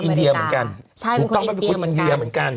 เป็นอินเดียเหมือนกันถูกต้องเป็นคนอินเดียเหมือนกัน